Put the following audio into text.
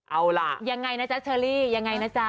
เอาล่ะยังไงนะจ๊ะเชอรี่ยังไงนะจ๊ะ